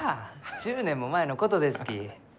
１０年も前のことですき。